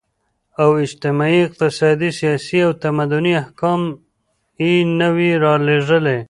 او اجتماعي، اقتصادي ، سياسي او تمدني احكام ئي نوي راليږلي